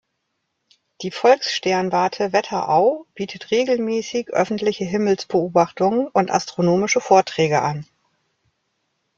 Die Volkssternwarte Wetterau bietet regelmäßig öffentliche Himmelsbeobachtungen und astronomische Vorträge an.